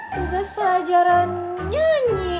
tugas pelajaran nyanyi